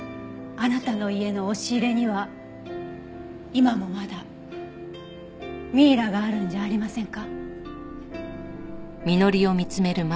あなたの家の押し入れには今もまだミイラがあるんじゃありませんか？